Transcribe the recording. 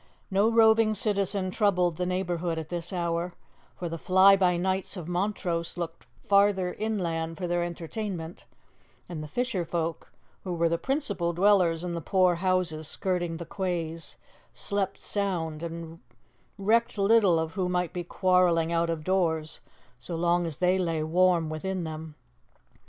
No roving citizen troubled the neighbourhood at this hour, for the fly by nights of Montrose looked farther inland for their entertainment, and the fisher folk, who were the principal dwellers in the poor houses skirting the quays, slept sound, and recked little of who might be quarrelling out of doors so long as they lay warm within them.